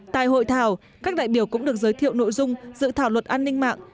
tại hội thảo các đại biểu cũng được giới thiệu nội dung dự thảo luật an ninh mạng